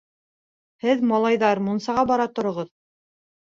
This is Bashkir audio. Һеҙ, малайҙар, мунсаға бара тороғоҙ.